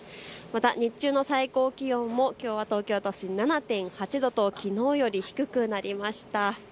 また日中の最高気温もきょうは東京都心、７．８度ときのうより低くなりました。